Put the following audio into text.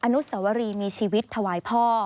นุสวรีมีชีวิตถวายพ่อ